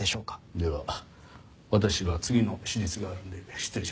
では私は次の手術があるので失礼します。